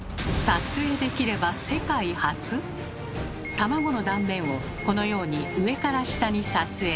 卵の断面をこのように上から下に撮影。